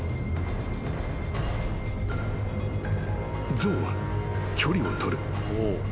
［象は距離を取る］